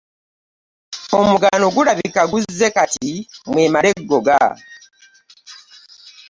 Omugano gulabika guzze kati mwemale eggoga.